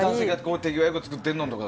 手際よく作ってるのとかな。